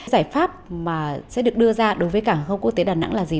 giải pháp mà sẽ được đưa ra đối với cảng hàng không quốc tế đà nẵng là gì